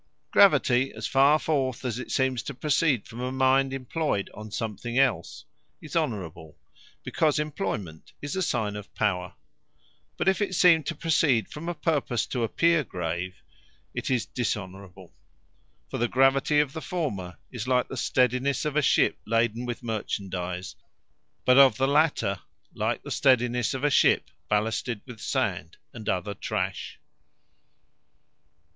Gravity, as farre forth as it seems to proceed from a mind employed on some thing else, is Honourable; because employment is a signe of Power. But if it seem to proceed from a purpose to appear grave, it is Dishonourable. For the gravity of the Former, is like the steddinesse of a Ship laden with Merchandise; but of the later, like the steddinesse of a Ship ballasted with Sand, and other trash.